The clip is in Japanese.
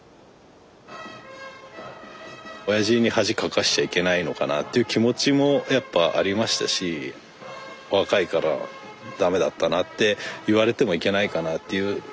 おやじに恥かかしちゃいけないのかなっていう気持ちもやっぱありましたし若いから駄目だったなって言われてもいけないかなっていう。